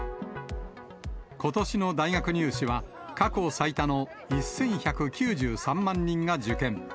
ことしの大学入試は、過去最多の１１９３万人が受験。